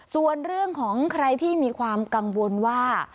ส่วนเรื่องของใครที่มีความกังวลว่า